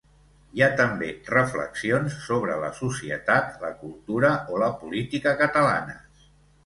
Hi ha, també, reflexions sobre la societat, la cultura o la política catalanes.